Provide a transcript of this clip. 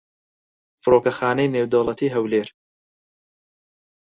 فڕۆکەخانەی نێودەوڵەتیی هەولێر